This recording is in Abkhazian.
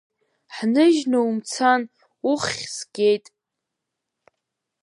Ҳныжьны умцан, уххь згеит!